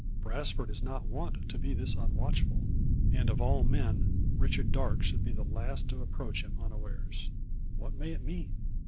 Brasfort is not wont to be thus unwatchful. And of all men Richard Darke should be the last to approach him unawares. What may it mean?